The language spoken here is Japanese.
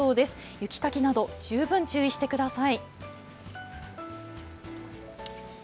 雪かきなど十分注意してください。